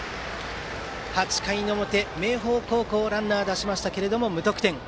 ８回表、明豊高校ランナー出しましたが無得点。